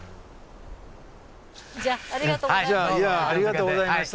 じゃあありがとうございました。